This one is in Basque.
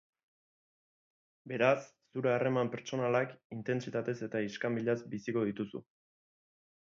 Beraz, zure harreman pertsonalak intentsitatez eta iskanbilaz biziko dituzu.